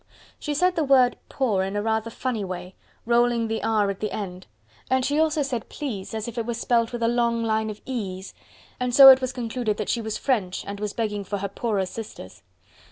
She said the word "poor" in rather a funny way, rolling the "r" at the end, and she also said "please" as if it were spelt with a long line of "e's," and so it was concluded that she was French and was begging for her poorer sisters.